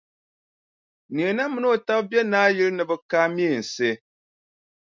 Neena mini o taba be Naayili ni bɛ kaai meensi.